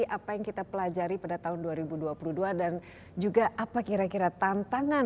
apa yang kita pelajari pada tahun dua ribu dua puluh dua dan juga apa kira kira tantangan